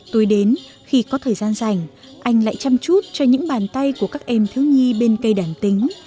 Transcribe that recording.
tối đến khi có thời gian rảnh anh lại chăm chút cho những bàn tay của các em thương nhi bên cây đàn tính